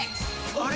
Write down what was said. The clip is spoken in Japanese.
あれ？